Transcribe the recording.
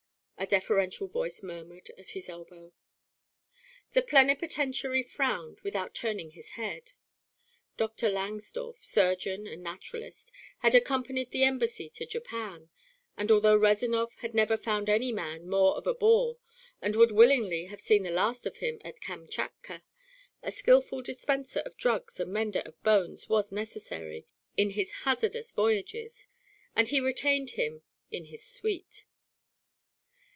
a deferential voice murmured at his elbow. The plenipotentiary frowned without turning his head. Dr. Langsdorff, surgeon and naturalist, had accompanied the Embassy to Japan, and although Rezanov had never found any man more of a bore and would willingly have seen the last of him at Kamchatka, a skilful dispenser of drugs and mender of bones was necessary in his hazardous voyages, and he retained him in his suite.